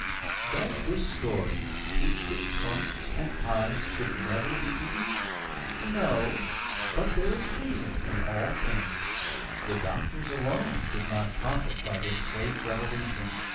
Does this story teach that tarts and pies should never be eaten? No; but there is reason in all things. The doctors alone did not profit by this great revolution.